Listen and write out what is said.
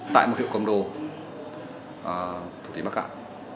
tại một hiệu cầm đồ thuộc tỉnh bắc cạn